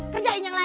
kerjain yang lain